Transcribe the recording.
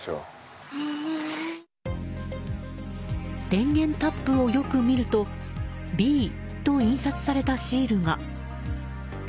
電源タップをよく見るとＢと印刷されたシールが。